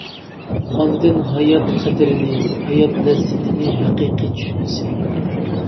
ئاندىن ھايات قەدرىنى، ھايات لەززىتىنى ھەقىقىي چۈشىنىسەن.